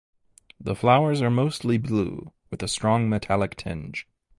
The flowers are mostly blue, with a strong metallic tinge.